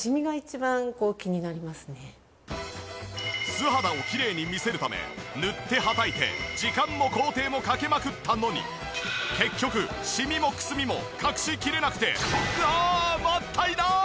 素肌をきれいに見せるため塗ってはたいて時間も工程もかけまくったのに結局シミもくすみも隠しきれなくてあもったいない！